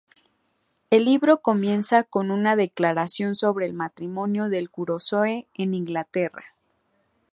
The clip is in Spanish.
El libro comienza con una declaración sobre el matrimonio de Crusoe en Inglaterra.